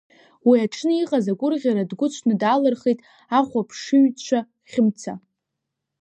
Уи аҽны иҟаз агәырӷьара дгәыцәны даалырхит ахәаԥшыҩцәа Хьымца.